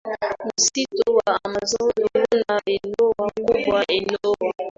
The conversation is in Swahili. Msitu wa Amazon una eneo kubwa Eneo